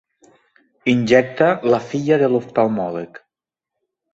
Injecta la filla de l'oftalmòleg.